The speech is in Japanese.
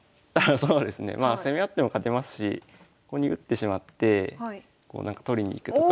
そうですねまあ攻め合っても勝てますしここに打ってしまって取りに行くとか。